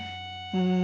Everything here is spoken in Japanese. うん。